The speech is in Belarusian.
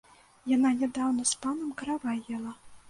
Яна нядаўна з панам каравай ела!